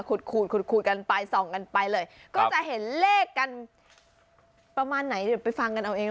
ขูดกันไปส่องกันไปเลยก็จะเห็นเลขกันประมาณไหนเดี๋ยวไปฟังกันเอาเอง